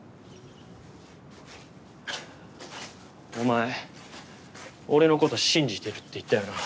お前俺の事信じてるって言ったよな。